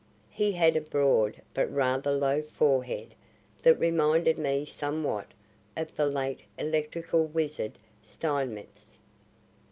He had a broad but rather low forehead that reminded me somewhat of the late electrical wizard Steinmetz.